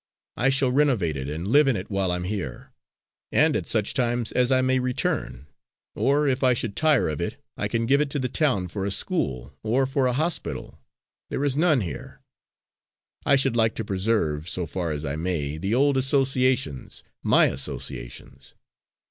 I shall renovate it and live in it while I am here, and at such times as I may return; or if I should tire of it, I can give it to the town for a school, or for a hospital there is none here. I should like to preserve, so far as I may, the old associations my associations.